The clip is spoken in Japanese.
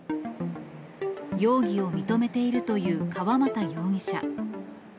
容疑を認めているという川又容疑者。